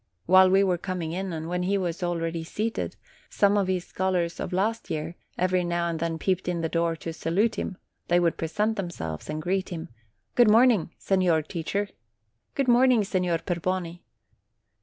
While we were coming in, and when he was already seated, some of his scholars of last year every now and then peeped in at the door to salute him; they would present themselves and greet him : "Good morning, Signer Teacher!" "Good morning, Signor Perboni!"